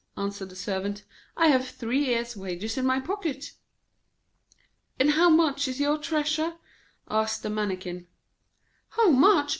answered the Servant. 'I have three years' wages in my pocket.' 'And how much is your treasure?' asked the Mannikin. 'How much?